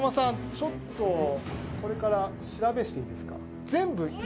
ちょっとこれから調べしていいですか？